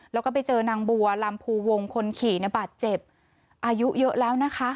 แล้วก็ไปเจอนางบัวลำภูวงคนขี่ในบาดเจ็บอายุเยอะแล้วนะคะ